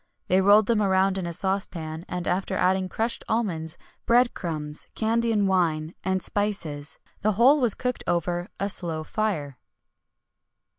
They rolled them round in a saucepan, and after adding crushed almonds, bread crumbs, Candian wine, and spices, the whole was cooked over a slow fire.